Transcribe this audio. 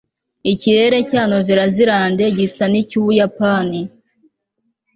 Ikirere cya NouvelleZélande gisa nicyUbuyapani